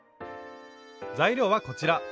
材料はこちら。